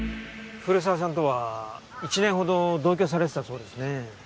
古沢さんとは１年ほど同居されてたそうですね。